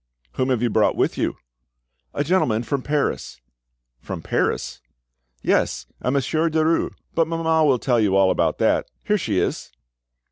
"Whom have you brought with you?" "A gentleman from Paris." "From Paris?" "Yes, a Monsieur Derues. But mamma will tell you all about that. Here she is."